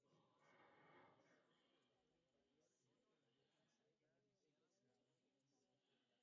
Esto sucedió durante una jugada de engaño contra los Denver Broncos.